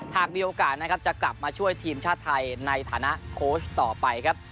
หากมีโอกาสนะครับจะกลับมาช่วยทีมชาติไทยในฐานะโค้ชต่อไปครับ